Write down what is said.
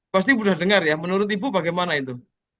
pasti sudah dengar ya menurut ibu bagaimana itu